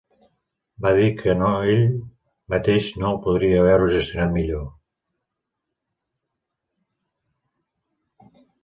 Va dir que no ell mateix no podria haver-ho gestionat millor.